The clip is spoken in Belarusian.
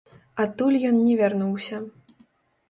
Адтуль ён не вярнуўся.